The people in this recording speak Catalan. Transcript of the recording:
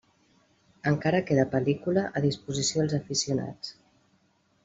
Encara queda pel·lícula a disposició dels aficionats.